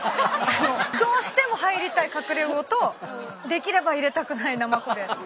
どうしても入りたいカクレウオとできれば入れたくないナマコで。